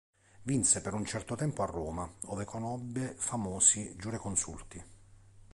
Visse per un certo tempo a Roma ove conobbe famosi giureconsulti.